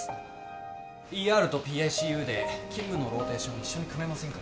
ＥＲとＰＩＣＵで勤務のローテーション一緒に組めませんかね？